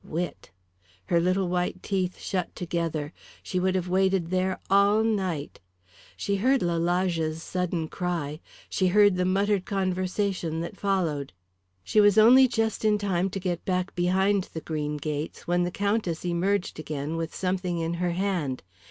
Wit! Her little white teeth shut together; she would have waited there all night. She heard Lalage's sudden cry; she heard the muttered conversation that followed. She was only just in time to get back behind the green gates when the Countess emerged again with something in her hand.